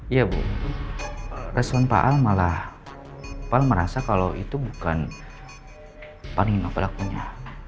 iya bu reson pak al malah merasa kalau itu bukan pak nino pelakunya